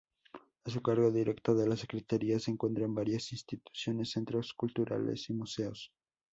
A cargo directo de la Secretaría se encuentran varias instituciones, centros culturales y museos.